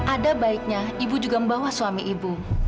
ada baiknya ibu juga membawa suami ibu